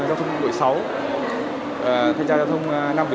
thanh tra giao thông nam tử liêm thanh tra giao thông quận tải hải đội